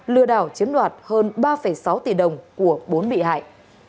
lừa đảo chiếm đoạt hơn ba sáu tỷ đồng của bốn bị hại